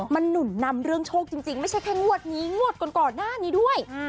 มันหนุนนำเรื่องโชคจริงไม่ใช่แค่งวดนี้งวดก่อนหน้านี้ด้วย